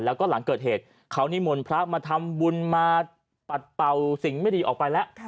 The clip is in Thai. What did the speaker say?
แล้วก็หลังเกิดเหตุเขานิมนต์พระมาทำบุญมาปัดเป่าสิ่งไม่ดีออกไปแล้ว